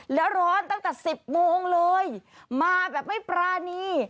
แล้วร้อนตั้งแต่สิบโมงเลยมาแบบไม่ปรานี